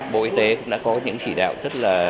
bộ y tế cũng đã có những chỉ đạo rất là